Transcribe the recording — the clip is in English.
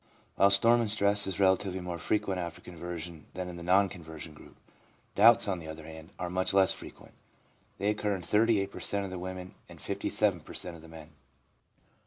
While storm and stress is relatively more frequent after conversion than in the non conversion group, doubts, on the other hand, are much less frequent; they occur in 38 per cent, of the women and 57 per cent, of the men.